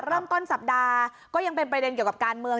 เริ่มต้นสัปดาห์ก็ยังเป็นประเด็นเกี่ยวกับการเมือง